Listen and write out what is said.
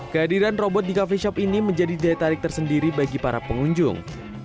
kehadiran robot di coffee shop ini menjadi daya tarik tersendiri bagi para pengunjung